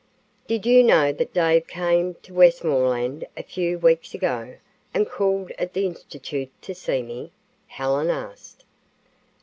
"Did you know that Dave came to Westmoreland a few weeks ago and called at the institute to see me?" Helen asked.